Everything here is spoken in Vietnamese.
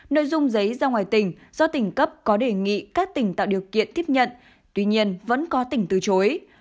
nội dung giấy ra ngoài tỉnh do tỉnh cấp có đề nghị các tỉnh tạo điều kiện tiếp nhận tuy nhiên vẫn có tỉnh từ chối